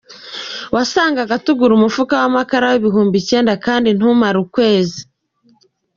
Wasangaga tugura umufuka w’amakara w’ibihumbi icyenda kandi ntumare ukwezi.